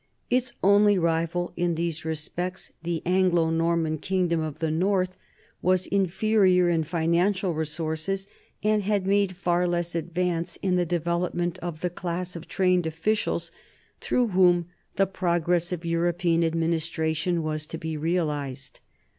Its only rival in these respects, the Anglo Norman kingdom of the north, was inferior in financial resources and had made far less advance in the develop ment of the class of trained officials through whom the progress of European administration was to be realized.